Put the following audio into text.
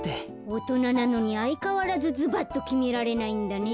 おとななのにあいかわらずズバッときめられないんだね。